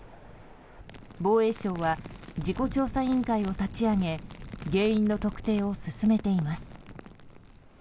防衛省は事故調査委員会を立ち上げ原因の特定を進めています。